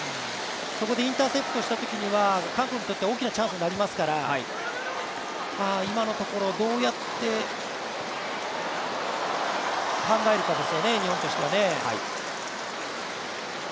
そこでインターセプトしたときには、韓国には大きなチャンスになりますから、今のところをどうやって考えるかですよね、日本としては。